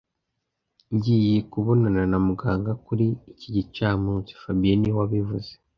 Ngiye kubonana na muganga kuri iki gicamunsi fabien niwe wabivuze